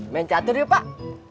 main catur yuk pak